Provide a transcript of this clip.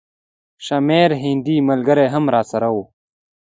شمېر هندي ملګري هم راسره وو.